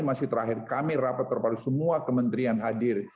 masih terakhir kami rapat terpadu semua kementerian hadir